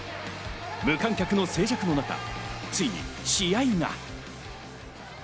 無観客の静寂の中、ついに試合が。